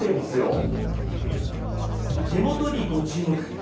手元にご注目。